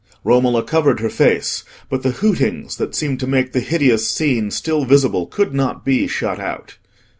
Romola covered her face, but the hootings that seemed to make the hideous scene still visible could not be shut out.